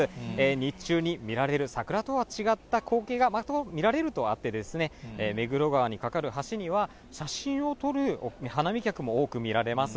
日中に見られる桜とは違った光景がまた見られるとあって、目黒川に架かる橋には、写真を撮る花見客も多く見られます。